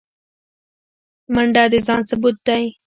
منډه د ځان ثبوت دی